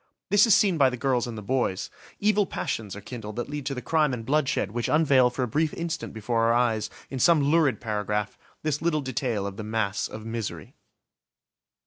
This is seen by the girls and the boys; evil passions are kindled that lead to the crime and bloodshed which unveil for a brief instant before our eyes, in some lurid paragraph, this little detail of the mass of misery.